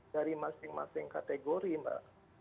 dari masing masing kategori mbak